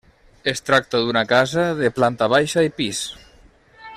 Es tracta d'una casa de planta baixa i pis.